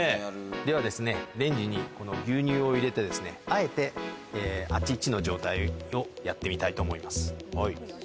では、レンジにこの牛乳を入れてですね、あえて、あっちっちの状態をやってみたいと思います。